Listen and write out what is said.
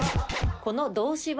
この動詞は？